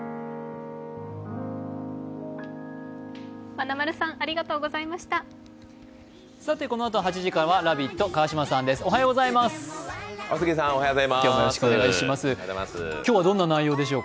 まなまるさん、ありがとうございました。